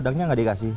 udangnya nggak dikasih